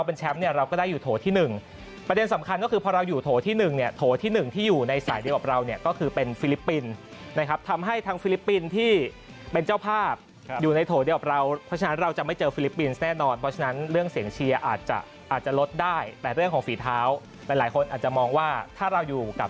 ประเด็นสำคัญก็คือพอเราอยู่โถที่๑โถที่๑ที่อยู่ในสายดีกว่าเราเนี่ยก็คือเป็นฟิลิปปินส์นะครับทำให้ทั้งฟิลิปปินส์ที่เป็นเจ้าภาพอยู่ในโถดีกว่าเราเพราะฉะนั้นเราจะไม่เจอฟิลิปปินส์แน่นอนเพราะฉะนั้นเรื่องเสียงเชียร์อาจจะอาจจะลดได้แต่เรื่องของฝีเท้าหลายคนอาจจะมองว่าถ้าเราอยู่กับ